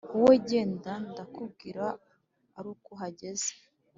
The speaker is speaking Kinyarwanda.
Wowe genda ndakubwira aruko uhagaze